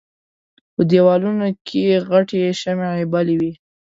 په دېوالونو کې غټې شمعې بلې وې.